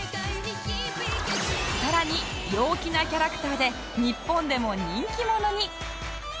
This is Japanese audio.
さらに陽気なキャラクターで日本でも人気者に